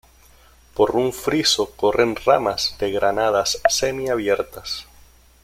Por un friso corren ramas de granadas semiabiertas.